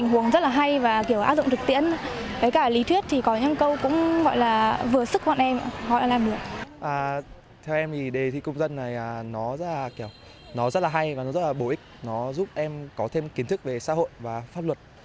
nó rất là hay và rất là bổ ích nó giúp em có thêm kiến thức về xã hội và pháp luật